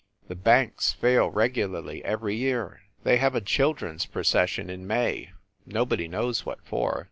The banks fail regularly every year. They have a children s procession in May nobody knows what for.